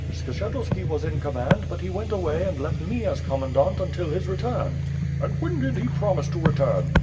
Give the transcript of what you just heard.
Skshetuski was in command, but he went away and left me as commandant until his return." "And when did he promise to return?"